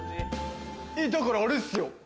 だからあれっすよ。